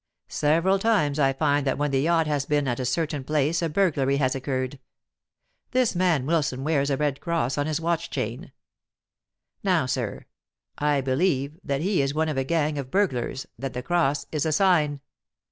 Several times I find that when the yacht has been at a certain place a burglary has occurred. This man Wilson wears a red cross on his watch chain. Now, sir, I believe that he is one of a gang of burglars that the cross is a sign.